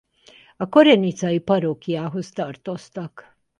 A korenicai parókiához tartoztak.